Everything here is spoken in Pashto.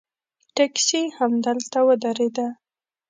ټیکسي همدلته ودرېده.